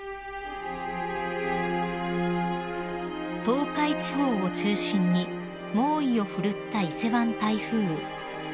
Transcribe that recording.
［東海地方を中心に猛威を振るった伊勢湾台風］